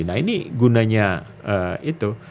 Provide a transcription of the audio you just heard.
nah ini gunanya itu